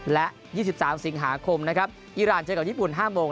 และ๒๓สิงหาคมนะครับอีรานเจอกับญี่ปุ่น๕โมง